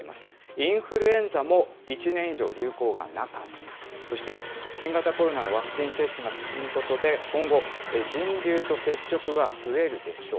インフルエンザも、１年以上流行がなかった、そして新型コロナのワクチン接種が進むことで、今後、人流と接触が増えるでしょう。